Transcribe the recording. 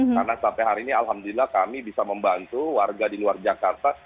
karena sampai hari ini alhamdulillah kami bisa membantu warga di luar jakarta